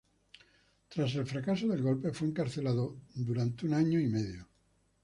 Tras el fracaso del golpe fue encarcelado por un año y medio.